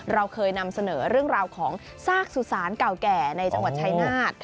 เราเคยนำเสนอเรื่องราวของซากสุสานเก่าแก่ในจังหวัดชายนาฏ